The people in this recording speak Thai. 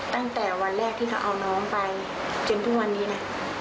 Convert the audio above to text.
ตั้งแต่วันแรกที่เขาเอาน้องไปจนทุกวันนี้นะ